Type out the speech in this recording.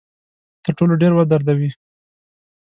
تر ټولو ډیر ودردوي.